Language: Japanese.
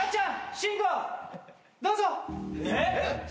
慎吾どうぞ。えっ？